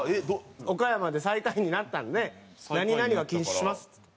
「岡山で最下位になったんで何々は禁止します」っつって。